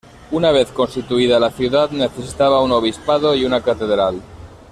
Una vez constituida la ciudad, necesitaba un obispado y una catedral.